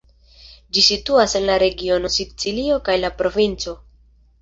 Ĝi situas en la regiono Sicilio kaj la provinco.